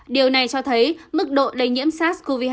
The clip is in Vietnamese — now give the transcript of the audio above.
điều này cho thấy mức độ lây nhiễm sars cov hai